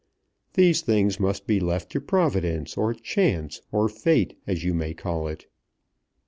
These things must be left to Providence, or Chance, or Fate, as you may call it."